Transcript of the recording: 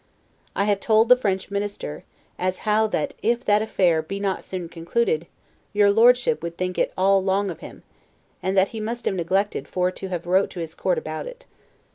I have told the French Minister, AS HOW THAT IF that affair be not soon concluded, your Lordship would think it ALL LONG OF HIM; and that he must have neglected FOR TO have wrote to his court about it.